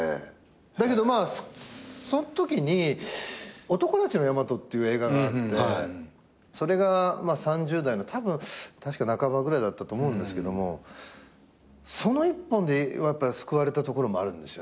だけどそんときに『男たちの大和ＹＡＭＡＴＯ』っていう映画があってそれが３０代のたぶん確か半ばぐらいだと思うんですけどその一本で救われたところもあるんですよね。